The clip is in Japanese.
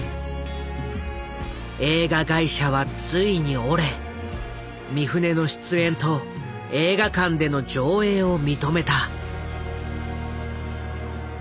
映画会社はついに折れ三船の出演と映画館での上映を認めた。